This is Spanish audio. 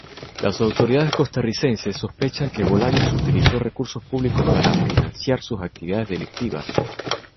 Las autoridades costarricenses sospechan que Bolaños utilizó recursos públicos para financiar sus actividades delictivas.